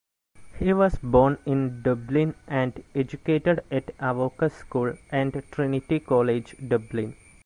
He was born in Dublin and educated at Avoca School and Trinity College, Dublin.